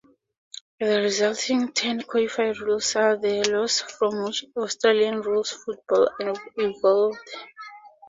The resulting ten codified rules are the laws from which Australian rules football evolved.